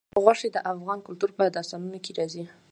غوښې د افغان کلتور په داستانونو کې راځي.